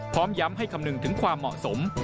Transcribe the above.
พร้อมย้ำให้คำนึงถึงความเหมาะสม